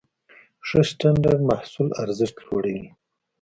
ښه سټنډرډ د محصول ارزښت لوړوي.